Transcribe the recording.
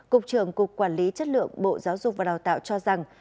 cục trưởng cục quản lý chất lượng bộ giáo dục và đào tạo cho rằng